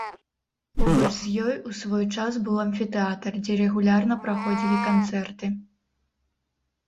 Побач з ёй у свой час быў амфітэатр, дзе рэгулярна праходзілі канцэрты.